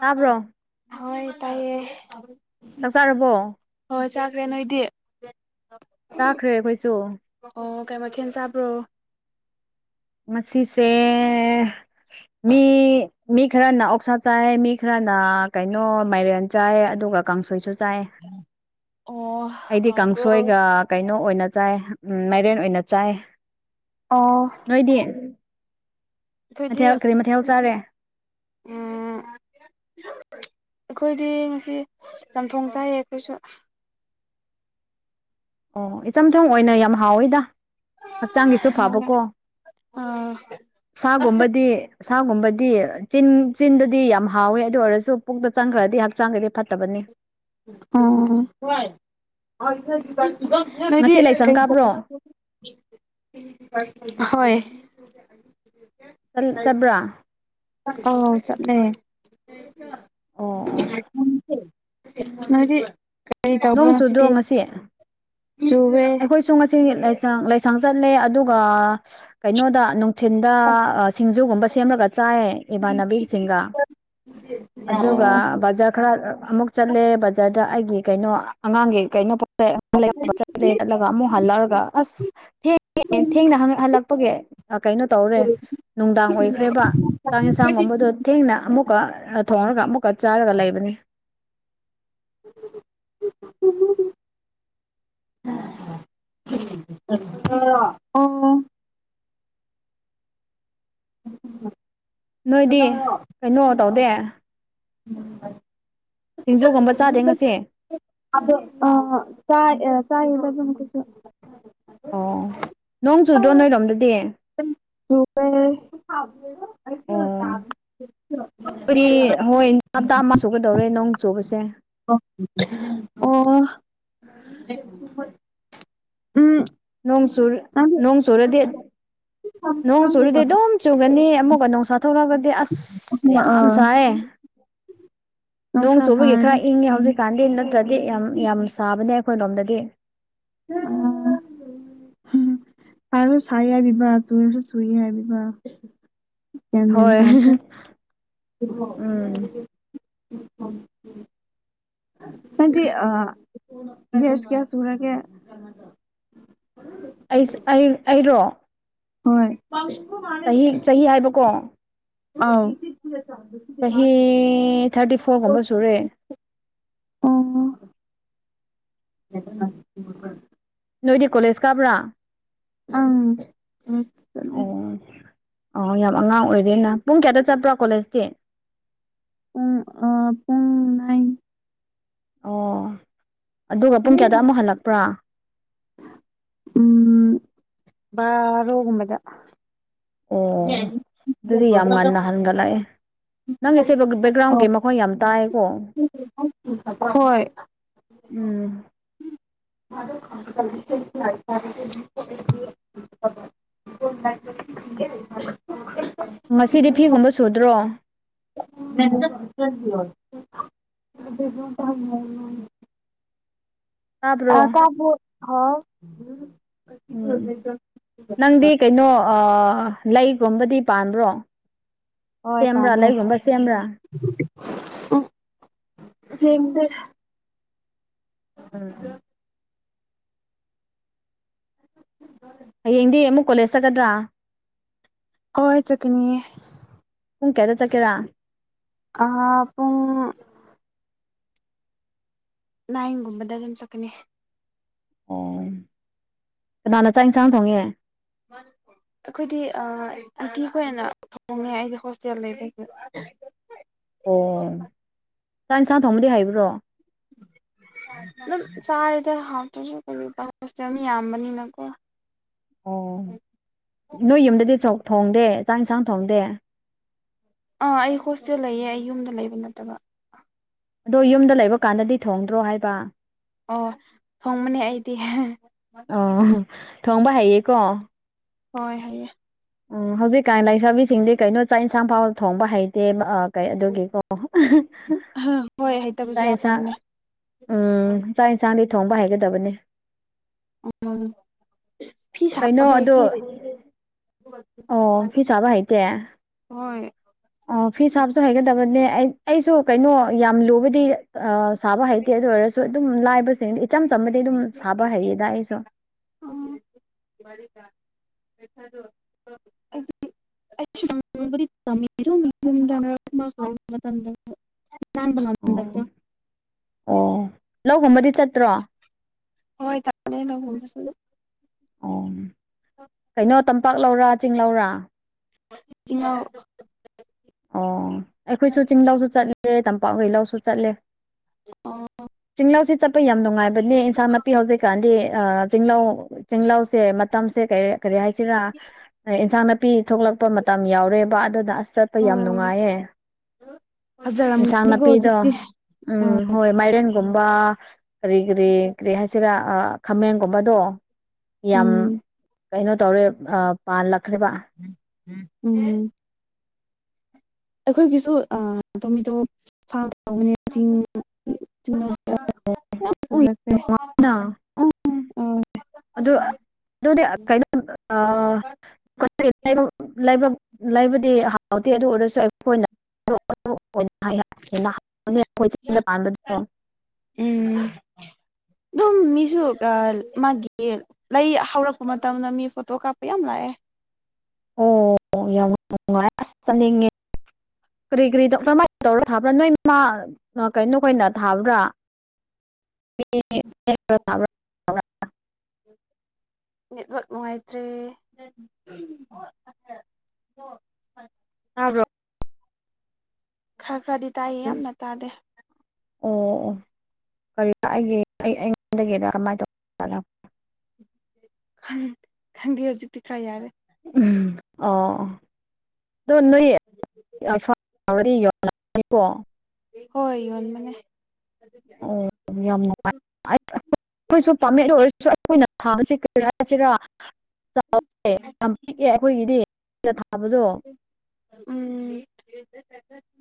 ꯇꯥꯕ꯭ꯔꯣ ꯍꯣꯏ ꯇꯥꯏꯌꯦ꯫ ꯆꯥꯛ ꯆꯥꯔꯕꯣ ꯍꯣꯏ ꯍꯣꯏ ꯆꯥꯈ꯭ꯔꯦ ꯅꯣꯏꯗꯤ꯫ ꯆꯥꯈ꯭ꯔꯦ ꯑꯩꯈꯣꯏꯁꯨ ꯑꯣ ꯀꯩ ꯃꯊꯦꯟ ꯆꯥꯕ꯭ꯔꯣ? ꯃꯁꯤꯁꯦ ꯃꯤ ꯃꯤ ꯈꯔꯅ ꯑꯣꯛꯁꯥ ꯆꯥꯏ ꯃꯤ ꯈꯔꯅ ꯀꯩꯅꯣ ꯃꯥꯏꯔꯦꯟ ꯆꯥꯏ ꯑꯗꯨꯒ ꯀꯥꯡꯁꯣꯏꯁꯨ ꯆꯥꯏ ꯑꯣ ꯑꯩꯗꯤ ꯍꯥꯎꯕ꯭ꯔꯣ ꯀꯥꯡꯁꯣꯏꯒ ꯀꯩꯅꯣ ꯑꯣꯏꯅ ꯆꯥꯏ ꯎꯝ ꯃꯥꯏꯔꯦꯟ ꯑꯣꯏꯅ ꯆꯥꯏ ꯑꯣ ꯑꯩꯗꯤ ꯑꯩꯈꯣꯏꯗꯤ ꯃꯊꯦꯜ ꯀꯔꯤ ꯃꯊꯦꯜ ꯆꯔꯦ ꯎꯝ ꯑꯩꯈꯣꯏꯗꯤ ꯉꯁꯤ ꯆꯝꯊꯣꯡ ꯆꯥꯏꯌꯦ ꯑꯩꯈꯣꯏꯁꯨ ꯑꯣ ꯏꯆꯝ ꯆꯝ ꯑꯣꯏꯅ ꯌꯥꯝ ꯍꯥꯎꯋꯤꯗ ꯍꯛꯆꯥꯡꯒꯤꯁꯨ ꯐꯕꯀꯣ ꯑꯥ ꯁꯥꯒꯨꯝꯕꯗꯤ ꯁꯥꯒꯨꯝꯕꯗꯤ ꯆꯤꯟ ꯆꯤꯟꯗꯗꯤ ꯌꯥꯝ ꯍꯥꯎꯋꯦ ꯑꯗꯨ ꯑꯣꯏꯔꯁꯨ ꯄꯨꯛꯇ ꯆꯪꯈ꯭ꯔꯗꯤ ꯍꯛꯆꯥꯡꯒꯤꯗꯤ ꯐꯠꯇꯕꯅꯤ꯫ ꯉꯁꯤ ꯂꯥꯏꯁꯪ ꯀꯥꯕ꯭ꯔꯣ [unintelligible] ꯍꯣꯏ ꯆꯕ꯭ꯔꯥ ꯎꯝ ꯆꯠꯂꯦ꯫ ꯑꯣ ꯑꯣ ꯅꯣꯏꯗꯤ ꯑꯩ ꯇꯧꯕ ꯅꯣꯡ ꯆꯨꯗ꯭ꯔꯣ ꯉꯁꯤꯗꯤ ꯉꯁꯤ ꯆꯨꯔꯦ꯫ ꯑꯩꯈꯣꯏꯁꯨ ꯉꯁꯤ ꯂꯩꯁꯪ ꯂꯩꯁꯪ ꯆꯠꯂꯦ ꯑꯗꯨꯒ ꯀꯩꯅꯣꯗ ꯊꯤꯟꯗ ꯁꯤꯡꯖꯨꯒꯨꯝꯕ ꯁꯦꯝꯂꯒ ꯆꯥꯏꯑ ꯏꯃꯥꯟꯅꯕꯤꯁꯤꯡꯒ ꯑꯗꯨꯒ ꯑꯣ ꯕꯖꯔ ꯈꯔ ꯑꯃꯨꯛ ꯆꯠꯂꯦ ꯕꯖꯥꯔꯗ ꯑꯩꯒꯤ ꯀꯩꯅꯣ ꯑꯉꯥꯡꯒꯤ ꯀꯩꯅꯣ ꯄꯣꯠꯆꯩ ꯑꯃ ꯂꯩ ꯆꯠ ꯔꯦꯠ ꯀꯥꯠꯂꯒ ꯑꯃꯨꯛ ꯍꯥꯜꯂꯒ ꯑꯁ ꯊꯦꯡꯉꯦ ꯊꯦꯡꯅ ꯍꯜꯂꯛꯄꯒꯤ ꯀꯩꯅꯣ ꯇꯧꯔꯦ ꯅꯨꯡꯗꯥꯡ ꯑꯣꯏꯈ꯭ꯔꯦꯕ ꯆꯥꯛ ꯌꯦꯟꯁꯥꯡꯒꯨꯝꯕꯗꯣ ꯊꯦꯡꯅ ꯑꯃꯨꯛꯀ ꯊꯣꯡꯉꯒ ꯑꯃꯨꯛꯀ ꯆꯥꯔꯒ ꯂꯩꯕꯅꯦ [inaudible] [unintelligible] ꯑꯣ [unintelligible] ꯅꯣꯏꯗꯤ ꯀꯩꯅꯣ ꯇꯧꯗꯦ [unintelligible] ꯁꯤꯡꯖꯨꯒꯨꯝꯕ ꯆꯥꯗꯦ ꯉꯁꯤ [unintelligible] ꯑꯥ ꯆꯥꯏ ꯑꯦ ꯆꯥꯏ [unintelligible] ꯑꯣ ꯅꯣꯡ ꯆꯨꯗ꯭ꯔꯣ ꯅꯣꯏꯔꯣꯝꯗꯗꯤ [unintelligible] ꯆꯨꯋꯦ ꯑꯣ ꯑꯩꯈꯣꯏꯗꯤ ꯍꫭꯏ ꯍꯥꯞꯇꯥ ꯑꯃ ꯆꯨꯒꯗꯧꯔꯦ ꯅꯣꯡ ꯆꯨꯕꯁꯦ [unintelligible] ꯑꯣ [inaudible] ꯎꯝ ꯅꯣꯡ ꯆꯨꯔ ꯅꯪꯗꯤ ꯅꯣꯡ ꯆꯨꯔꯗꯤ ꯅꯣꯡ ꯆꯨꯨꯔꯗꯤ ꯑꯗꯨꯝ ꯆꯨꯒꯅꯤ ꯑꯃꯨꯛꯀ ꯅꯣꯡꯁꯥ ꯊꯣꯛꯂꯒꯗꯤ ꯑꯁ ꯑꯁ ꯌꯥꯝ ꯑꯥ ꯁꯥꯏꯌꯦ ꯅꯣꯡ ꯅꯣꯡꯁꯥ ꯆꯨꯕꯒꯤ ꯈꯔ ꯏꯪꯉꯦ ꯍꯧꯖꯤꯛ ꯀꯥꯟꯗꯦ ꯅꯠꯇ꯭ꯔꯗꯤ ꯌꯥꯝ ꯌꯥꯝ ꯁꯥꯕꯅꯦ ꯑꯩꯈꯣꯏ ꯂꯣꯝꯗꯗꯤ ꯑꯥ ꯍꯥꯝ ꯇꯥꯔ ꯁꯥꯏ ꯍꯥꯏꯕꯤꯕ ꯆꯨꯔꯁꯨ ꯆꯨꯏ ꯍꯥꯏꯕꯤꯕ ꯍꯣꯏ ꯍꯥ ꯍꯥ [unintelligible] ꯅꯪꯗꯤ ꯑꯥ ꯃꯦꯁ ꯀꯌꯥ ꯁꯨꯔꯒꯦ ꯑꯩꯁ ꯑꯩ ꯑꯩꯔꯣ ꯍꯣꯏ ꯆꯍꯤ ꯆꯍꯤ ꯍꯥꯏꯕꯀꯣ ꯑꯥꯎ ꯆꯍꯤ ꯊꯥꯔꯇꯤ ꯐꯣꯔꯒꯨꯝꯕ ꯁꯨꯔꯦ ꯑꯣ [unintelligible] ꯅꯣꯏꯗꯤ ꯀꯣꯂꯦꯖ ꯀꯥꯕ꯭ꯔꯥ ꯑꯪ ꯆꯠꯂꯦ ꯑꯣ ꯑꯣ ꯌꯥꯝ ꯑꯉꯥꯡ ꯑꯣꯏꯔꯦꯅ ꯄꯨꯡ ꯀꯌꯥꯗ ꯆꯠꯄ꯭ꯔꯣ ꯀꯣꯂꯦꯖꯇꯤ ꯄꯨꯡ ꯑꯥ ꯄꯨꯡ ꯅꯥꯏꯟ ꯑꯣ ꯑꯗꯨꯒ ꯄꯨꯡ ꯀꯌꯥꯗ ꯑꯃꯨꯛ ꯍꯜꯂꯛꯄ꯭ꯔ ꯎꯝ ꯕꯥꯔꯣꯒꯨꯝꯕꯗ ꯑꯣ ꯑꯗꯨꯗꯤ ꯌꯥꯝ ꯉꯟꯅ ꯍꯟꯒꯠꯂꯛꯑꯦ ꯅꯪꯒꯤ ꯁꯦ ꯕꯦꯛꯒ꯭ꯔꯥꯎꯟꯒꯤ ꯃ ꯈꫭꯟ ꯌꯥꯝ ꯇꯥꯏꯑꯦꯀꯣ [unintelligible] ꯍꯣꯏ꯫ ꯎꯝ꯫ [unintelligible] [unintelligible] ꯉꯁꯤꯗꯤ ꯐꯤꯒꯨꯝꯕ ꯁꯨꯗ꯭ꯔꯣ [unintelligible] [unintelligible] ꯇꯥꯕ꯭ꯔꯣ ꯑꯥ ꯇꯥꯕꫭ ꯍꯥꯎ ꯎꯝ ꯅꯪꯗꯤ ꯀꯩꯅꯣ ꯑꯥ ꯂꯩꯒꯨꯝꯕꯗꯤ ꯄꯥꯟꯕ꯭ꯔꯣ ꯍꯣꯏ ꯁꯦꯝꯕ꯭ꯔꯥ ꯄꯃꯦ ꯂꯩꯒꯨꯝꯕ ꯁꯦꯝꯕ꯭ꯔꯥ ꯎꯝ ꯊꯦꯡꯗꯦ ꯎꯝ [unintelligible] ꯍꯌꯦꯡꯗꯤ ꯑꯃꯨꯛ ꯀꯣꯂꯦꯖ ꯆꯠꯀꯗ꯭ꯔꯥ ꯍꯣꯏ ꯆꯠꯀꯅꯤꯌꯦ ꯄꯨꯡ ꯀꯌꯥꯗ ꯆꯠꯀꯦꯔꯥ ꯑꯥ ꯄꯨꯡ ꯅꯥꯏꯟꯒꯨꯝꯕꯗ ꯑꯗꯨꯝ ꯆꯠꯀꯅꯤ ꯑꯣ ꯀꯅꯥꯅ ꯆꯥꯛ ꯌꯦꯟꯁꯥꯡ ꯊꯣꯡꯉꯦ ꯑꯩꯈꯣꯏꯗꯤ ꯑꯟꯇꯤꯈꯣꯏꯅ ꯊꯣꯡꯉꯦ ꯑꯩꯗꯤ ꯍꯣꯁꯇꯦꯜ ꯂꯩꯕꯩ ꯑꯣ ꯆꯥꯛ ꯏꯟꯁꯥꯡ ꯊꯣꯡꯕꯗꯤ ꯍꯥꯏꯕ꯭ꯔꯣ ꯅꯝ ꯆꯥꯔꯦꯗ ꯍꯥꯎꯇ꯭ꯔꯁꯨ ꯀꯔꯤ ꯎꯄꯥꯏ ꯍꯣꯁꯇꯦꯜ ꯃꯤ ꯌꯥꯝꯕꯅꯤꯅꯀꯣ ꯑꯣ ꯅꯣꯏ ꯌꯨꯝꯗꯗꯤ ꯆꯣꯛ ꯊꯣꯡꯗꯦ ꯆꯥꯛ ꯏꯟꯁꯥꯡ ꯊꯣꯡꯗꯦ ꯑꯥ ꯑꯩ ꯍꯣꯁꯇꯦꯜ ꯂꯩꯌꯦ ꯑꯩ ꯌꯨꯝꯗ ꯂꯩꯕ ꯅꯠꯇꯕ ꯑꯗꯣ ꯌꯨꯝꯗ ꯂꯩꯕ ꯀꯥꯟꯗꯗꯤ ꯊꯣꯡꯗ꯭ꯔꯣ ꯍꯥꯏꯕ ꯑꯣ ꯊꯣꯡꯕꯅꯦ ꯑꯩꯗꯤ ꯑꯣ ꯊꯣꯡꯕ ꯍꯩꯌꯦꯀꯣ ꯍꯣꯏ ꯍꯩꯌꯦ ꯎꯝ ꯍꯧꯖꯤꯛꯀꯥꯟ ꯂꯩꯁꯥꯕꯤꯁꯤꯡꯗꯤ ꯀꯩꯅꯣ ꯆꯥꯛ ꯏꯟꯁꯥꯡ ꯐꯥꯎꯕ ꯊꯣꯡꯕ ꯍꯩꯇꯦꯕ ꯀꯩ ꯑꯗꯨꯒꯤꯀꯣ ꯍꯣꯏ ꯍꯩꯇꯕꯁꯨ ꯆꯥꯛ ꯏꯟꯁꯥ ꯌꯥꯎꯕꯅꯦ ꯎꯝ ꯆꯥꯛ ꯌꯦꯟꯁꯥꯡꯗꯤ ꯊꯣꯡꯕ ꯍꯩꯒꯗꯕꯅꯦ [unintelligible] ꯐꯤ ꯀꯩꯅꯣ ꯁꯥꯕꯗꯤ ꯑꯗꯣ ꯍꯩꯇꯦ ꯑꯣ ꯐꯤ ꯁꯥꯕ ꯍꯩꯇꯦ ꯍꯣꯏ ꯑꯣ ꯐꯤ ꯁꯥꯕꯁꯨ ꯍꯥꯒꯗꯕꯅꯦ ꯑꯩ ꯑꯩꯁꯨ ꯀꯩꯅꯣ ꯌꯥꯝ ꯂꯨꯕꯗꯤ ꯁꯥꯕ ꯍꯩꯇꯦ ꯑꯗꯨ ꯑꯣꯏꯔꯁꯨ ꯑꯗꯨꯝ ꯂꯥꯏꯕꯁꯤꯡ ꯏꯆꯝ ꯆꯝꯕꯗꯤ ꯑꯗꯨꯝ ꯁꯥꯕ ꯍꯩꯌꯦꯗ ꯑꯩꯁꯨ ꯎꯝ [unintelligible] [unintelligible] ꯅꯥꯟꯕ ꯉꯥꯝꯍꯟꯗꯕꯗꯣ ꯑꯣ ꯑꯣ ꯂꯧꯒꯨꯝꯕꯗꯤ ꯆꯠꯇ꯭ꯔꯣ ꯍꯣꯏ ꯆꯠꯄꯥꯅꯦ ꯂꯎꯒꯨꯝꯕꯁꯨ ꯑꯗꯨꯝ ꯑꯣ ꯀꯩꯅꯣ ꯇꯝꯄꯥꯛ ꯂꯧꯔꯥ ꯆꯤꯡ ꯂꯧꯔꯥ [unintelligible] ꯆꯤꯡꯉꯧ ꯑꯣ ꯑꯩꯈꯣꯏꯁꯨ ꯆꯤꯡꯂꯥꯎꯁꯨ ꯆꯠꯂꯦ ꯇꯝꯄꯥꯛꯈꯩ ꯂꯧꯎꯁꯨ ꯆꯠꯂꯦ ꯆꯤꯡꯂꯥꯎꯁꯤ ꯆꯠꯄ ꯌꯥꯝ ꯅꯨꯡꯉꯥꯏꯕꯅꯦ ꯏꯟꯁꯥꯡ ꯅꯥꯄꯤ ꯍꯧꯖꯤꯛꯀꯥꯟꯗꯤ ꯆꯤꯡꯂꯧ ꯆꯤꯡꯂꯧꯁꯦ ꯃꯇꯝꯁꯦ ꯀꯔꯦ ꯀꯔꯤ ꯍꯥꯏꯁꯤꯔꯥ ꯏꯟꯁꯥꯡ ꯅꯥꯞ ꯄꯤ ꯊꯣꯛꯂꯛꯄ ꯃꯇꯝ ꯌꯥꯎꯔꯦꯕ ꯑꯗꯨꯅ ꯑꯁ ꯆꯠ ꯄꯥ ꯑꯣ ꯌꯥꯝ ꯅꯨꯡꯉꯥꯏꯌꯦ ꯏꯟꯁꯥꯡ ꯐꯖꯔꯝꯒꯅꯤꯀꯣ ꯅꯥꯄꯤꯗꯣ ꯍꯧꯖꯤꯛꯇꯤ ꯎꯝ ꯑ ꯍꯣꯏ ꯃꯥꯏꯔꯦꯟꯒꯨꯝꯕ ꯀꯔꯤ ꯀꯔꯤ ꯀꯔꯤ ꯍꯥꯏꯁꯤꯔꯥ ꯈꯥꯃꯦꯟꯒꯨꯝꯕꯗꯣ ꯌꯥꯝ ꯎꯝ ꯀꯩꯅꯣ ꯇꯧꯔꯦ ꯑꯥ ꯄꯥꯜꯂꯛꯈ꯭ꯔꯦꯕ ꯎꯝ ꯑꯩꯈꯣꯏꯒꯤꯁꯨ ꯑꯥ ꯑꯇꯣꯝꯕꯤꯗꯨ ꯐꯥꯝ ꯇꯧꯕꯅꯦ ꯆꯤꯡ ꯆꯤꯡꯅꯨꯡꯗꯥ ꯌꯥꯝ ꯐꯖꯈ꯭ꯔꯦ ꯎꯝ ꯑꯥ ꯑꯗꯨ ꯑꯗꯨꯗꯤ ꯀꯩꯅꯣ [unintelligible] ꯂꯩꯕꯗꯤ ꯍꯥꯎꯗꯦ ꯑꯗꯨ ꯑꯣꯏꯔꯁꯨ [unintelligible] ꯆꯤꯡꯗ ꯄꯥꯟꯕꯗꯨ ꯎꯝ ꯑꯗꯨꯝ [inaudible] ꯃꯤꯁꯨ ꯃꯥꯒꯤ ꯂꯩ ꯍꯧꯔꯛꯄ ꯃꯇꯝꯗ ꯃꯤ ꯐꯣꯇꯣ ꯀꯥꯞꯄ ꯌꯥꯝ ꯂꯥꯛꯑꯦ ꯑꯣ ꯌꯥꯝ ꯉꯥꯢ ꯑꯁ ꯆꯠꯅꯤꯡꯉꯦ ꯀꯔꯤ ꯀꯔꯤ ꯗꯣꯛ ꯀꯃꯥꯏꯅ ꯇꯧꯔ ꯊꯥꯕ꯭ꯔꯥ ꯅꯣꯏ ꯃꯥ ꯀꯩꯅꯣ ꯈꯣꯏꯅ ꯊꯥꯕ꯭ꯔꯥ [unintelligible] ꯅꯦꯠꯋꯥꯛ ꯅꯨꯡꯉꯥꯏꯇ꯭ꯔꯦ ꯇꯥꯕ꯭ꯔꯣ ꯈꯔ ꯈꯔꯗꯤ ꯇꯥꯏꯌꯦ ꯌꯥꯝꯅ ꯇꯥꯗꯦ ꯑꯣ ꯑꯣ ꯀꯔꯤ ꯑꯩꯒꯤ ꯑꯩꯉꯣꯟꯒꯤꯔꯥ ꯀꯃꯥꯏꯅ ꯇꯧ ꯈꯟꯗꯦ ꯍꯧꯖꯤꯛꯇꯤ ꯈꯔ ꯌꯥꯔꯦ꯫ ꯎꯝ ꯑꯣ ꯑꯗꯨ ꯅꯣꯏ ꯐ ꯌ ꯑꯩꯀꯣ ꯍꯣꯏ ꯌꯣꯟ ꯃꯅꯦ꯫ ꯑꯣ ꯌꯥꯝ [unintelligible] ꯑꯩꯈꯣꯏꯁꯨ ꯄꯥꯝꯃꯦ ꯑꯗꯨ ꯑꯣꯏꯔꯁꯨ ꯑꯩꯈꯣꯏꯅ ꯊꯥꯕꯁꯦ ꯀꯔꯤ ꯔꯥꯏꯁꯤꯔ ꯆꯥꯎꯋꯦ ꯌꯥꯝ ꯄꯤꯛꯑꯦ ꯑꯩꯈꯣꯏꯒꯤꯗꯤ ꯁꯤꯗ ꯊꯥꯕꯗꯣ ꯎꯝ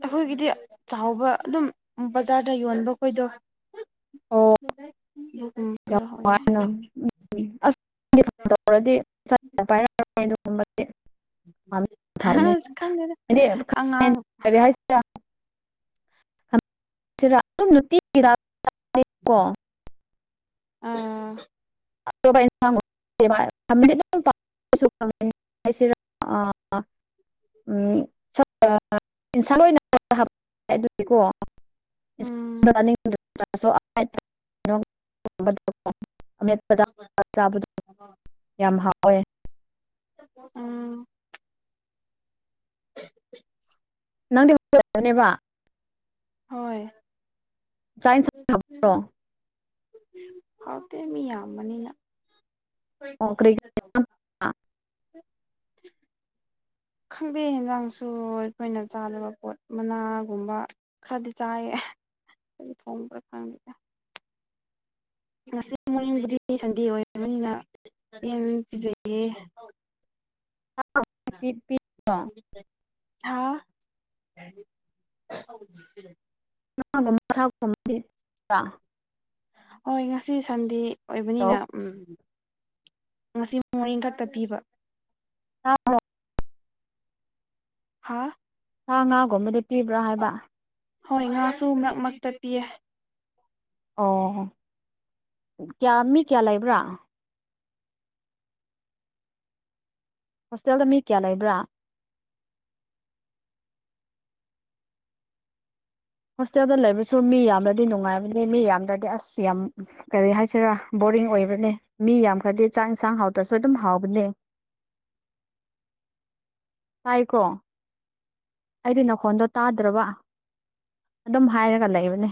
ꯑꯩꯈꯣꯏꯒꯤꯗꯤ ꯆꯥꯎꯕ ꯑꯗꯨꯝ ꯕꯖꯥꯔꯗ ꯌꯣꯟꯕ ꯈꯣꯏꯗꯣ ꯑꯣ ꯎꯝ ꯌꯥꯝ ꯅꯨꯡꯉꯥꯏꯅ ꯎ ꯑꯁ ꯑꯉꯥꯡ 'inaudible' [unintelligible] [unintelligible] ꯑꯥ [unintelligible] ꯁꯤ ꯑ [unintelligible] ꯎꯝ꯫ [unintelligible] ꯑꯃꯦꯠꯄꯗ ꯆꯕꯗꯣ ꯌꯥꯝ ꯍꯥꯎꯋꯦ ꯎꯝ꯫ ꯅꯪ [unintelligible] ꯅꯦꯕ ꯍꯣꯏ ꯆꯥꯛ ꯏꯟꯁꯥꯡ ꯊꯣꯡꯕ꯭ꯔꯣ ꯍꯥꯎꯇꯦ ꯃꯤ ꯌꯥꯝꯕꯅꯤꯅ ꯑꯣ ꯀꯔꯤ ꯈꯪꯗꯦ ꯌꯦꯟꯖꯥꯡꯁꯨ ꯑꯩꯈꯣꯏꯅ ꯆꯥꯗꯕ ꯄꯣꯠ ꯃꯅꯥꯒꯨꯝꯕ ꯈꯔꯗꯤ ꯆꯥꯏꯌꯦ ꯍꯦ ꯑꯩ ꯊꯣꯡꯕ꯭ꯔꯥ ꯈꯪꯗꯦ [unintelligible] [unintelligible] ꯍꯥꯥ꯫ ꯍ [unintelligible] ꯍꯣꯏ ꯉꯁꯤ ꯁꯟꯗꯦ ꯑꯣꯏꯕꯅꯤꯅ ꯎꯝ ꯉꯁꯤ [inaudible] ꯈꯛꯇ ꯄꯤꯕ꯫ [unintelligible] ꯍꯥꯥ ꯁꯥ ꯉꯥꯒꯨꯝꯕꯗꯤ ꯄꯤꯕ꯭ꯔꯥ ꯍꯥꯏꯕ꯫ ꯍꯣꯏ ꯉꯥꯁꯨ ꯃꯔꯛꯃꯛꯇ ꯄꯤꯌꯦ꯫ ꯑꯣ ꯀꯌꯥ ꯃꯤ ꯀꯌꯥ ꯂꯩꯕ꯭ꯔꯥ꯫ ꯍꯣꯁꯇꯦꯜꯗ ꯃꯤ ꯀꯌꯥ ꯂꯩꯕ꯭ꯔꯥ꯫ ꯍꯣꯁꯇꯦꯜꯗ ꯂꯩꯕꯁꯨ ꯃꯤ ꯌꯥꯝꯅꯗꯤ ꯅꯨꯡꯉꯥꯏꯕꯅꯦ ꯃꯤ ꯌꯥꯝꯗ꯭ꯔꯗꯤ ꯑꯁ ꯌꯥꯝ ꯀꯔꯤ ꯍꯥꯏꯁꯤꯔꯥ ꯕꯣꯔꯤꯡ ꯑꯣꯏꯕꯅꯦ ꯃꯤ ꯌꯥꯝꯈꯗꯤ ꯆꯥꯛ ꯏꯟꯁꯥꯡ ꯍꯥꯎꯗ꯭ꯔꯁꯨ ꯑꯗꯨꯝ ꯍꯥꯎꯕꯅꯦ ꯇꯥꯏ ꯀꯣ ꯑꯩꯗꯤ ꯅꯈꯣꯟꯗꯣ ꯇꯥꯗ꯭ꯔꯕ ꯑꯗꯨꯝ ꯍꯥꯏꯔꯒ ꯂꯩꯕꯅꯦ